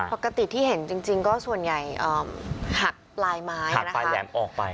ปกติที่เห็นจริงก็ส่วนใหญ่หักปลายไม้หักปลายแหลมออกไป